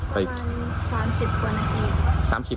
ประมาณ๓๐กว่านาที